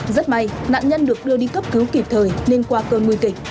rất may nạn nhân được đưa đi cấp cứu kịp thời nên qua cơn nguy kịch